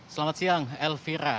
selamat siang elvira